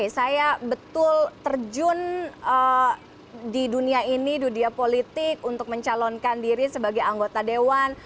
saya betul terjun di dunia ini dunia politik untuk mencalonkan diri sebagai anggota dewan